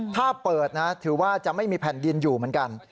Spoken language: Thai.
ถ้าเปิดนะถือว่าจะไม่มีแผ่นดินอยู่เหมือนกัน